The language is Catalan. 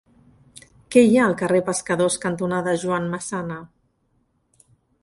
Què hi ha al carrer Pescadors cantonada Joan Massana?